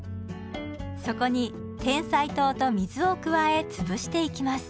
そこにてんさい糖と水を加えつぶしていきます。